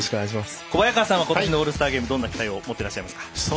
小早川さんは、ことしのオールスターゲームどんな期待を持ってらっしゃいますか？